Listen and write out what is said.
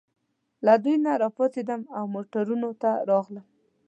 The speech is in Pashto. له دوی نه راپاڅېدم او موټروانانو ته راغلم.